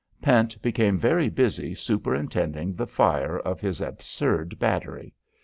Pent became very busy superintending the fire of his absurd battery.